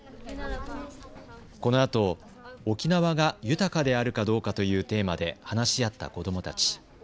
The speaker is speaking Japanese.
このあと沖縄が豊かであるかどうかというテーマで話し合った子どもたち。